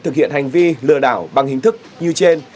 thực hiện hành vi lừa đảo bằng hình thức như trên